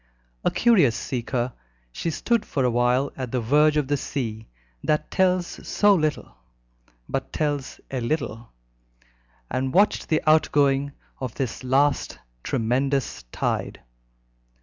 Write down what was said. A curious seeker, she stood for a while at the verge of the sea that tells so little, but tells a little, and watched the outgoing of this last tremendous tide.